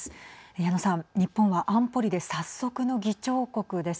矢野さん、日本は安保理で早速の議長国です。